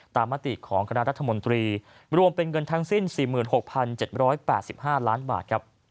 ตามมาติดของกรรมรัฐมนตรีรวมเป็นเงินทางสิ้น๔๖๗๘๕ล้านบาท